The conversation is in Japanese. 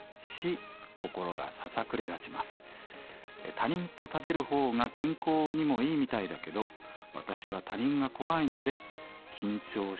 他人と食べるほうが健康にもいいみたいだけど私は他人が怖いので緊張し疲れます。